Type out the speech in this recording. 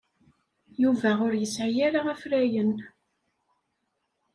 Yuba ur yesɛi ara afrayen.